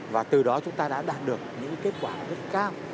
và từ đó chúng ta đã đạt được những kết quả rất cao